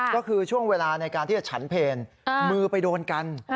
ก็คือช่วงเวลาในการที่จะฉันเพลมือไปโดนกัน